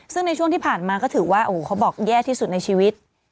ซึ่งในช่วงที่ผ่านมาก็ถือว่าเขาบอกแย่ที่สุดในชีวิต